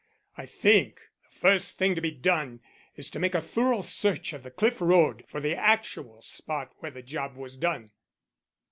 I think the first thing to be done is to make a thorough search of the cliff road for the actual spot where the job was done.